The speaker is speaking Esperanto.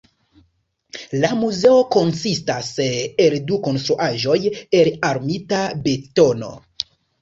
La muzeo konsistas el du konstruaĵoj el armita betono.